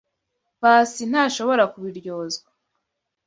Pacy ntashobora kubiryozwa.